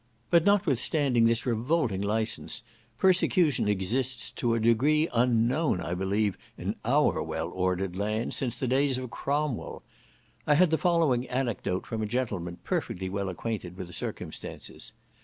But, notwithstanding this revolting license, persecution exists to a degree unknown, I believe, in our well ordered land since the days of Cromwell. I had the following anecdote from a gentleman perfectly well acquainted with the circumstances.